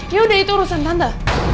yaudah itu urusan tante